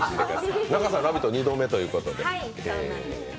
仲さんは「ラヴィット！」は２度目ということで。